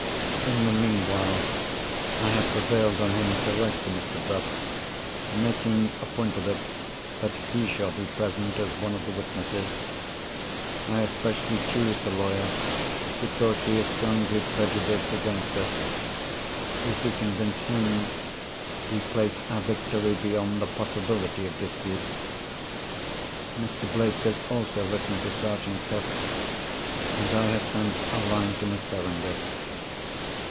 In the meanwhile, I have prevailed on him to write to Mr. Bruff, making a point of it that he shall be present as one of the witnesses. I especially choose the lawyer, because he is strongly prejudiced against us. If we convince him, we place our victory beyond the possibility of dispute. Mr. Blake has also written to Sergeant Cuff; and I have sent a line to Miss Verinder.